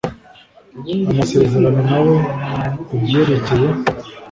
amasezerano na we ku byerekeye